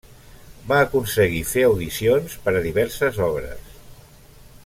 Va aconseguir fer audicions per a diverses obres.